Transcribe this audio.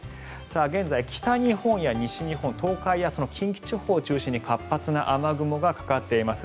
現在、北日本や西日本東海や近畿地方を中心に活発な雨雲がかかっています。